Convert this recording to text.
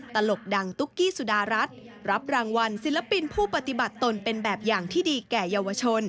ตลกดังตุ๊กกี้สุดารัฐรับรางวัลศิลปินผู้ปฏิบัติตนเป็นแบบอย่างที่ดีแก่เยาวชน